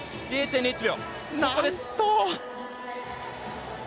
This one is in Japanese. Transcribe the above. ０．０１秒。